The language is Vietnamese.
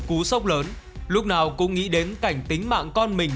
cú sốc lớn lúc nào cũng nghĩ đến cảnh tính mạng con mình